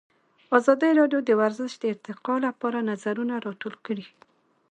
ازادي راډیو د ورزش د ارتقا لپاره نظرونه راټول کړي.